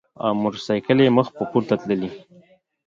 او موټر ساېکلې مخ پۀ پورته تللې ـ